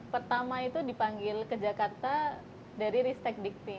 pertama itu dipanggil ke jakarta dari ristek dikti